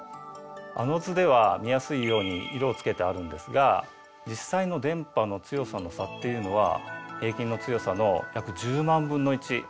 あの図では見やすいように色をつけてあるんですが実際の電波の強さの差っていうのは平均の強さの約１０万分の１くらいなんですね。